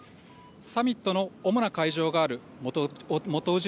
サミットの主な会場がある元宇品